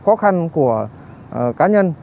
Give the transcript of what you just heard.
khó khăn của cá nhân